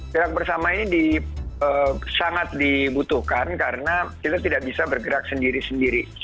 gerak bersama ini sangat dibutuhkan karena kita tidak bisa bergerak sendiri sendiri